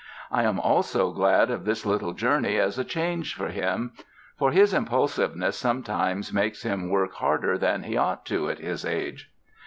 I am also glad of this little journey as a change for him; for his impulsiveness sometimes makes him work harder than he ought to at his age."